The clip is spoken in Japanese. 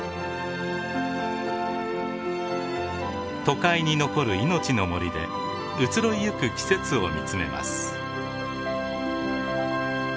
都会に残る命の森で移ろいゆく季節を見つめます。